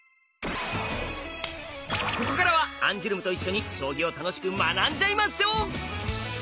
ここからはアンジュルムと一緒に将棋を楽しく学んじゃいましょう！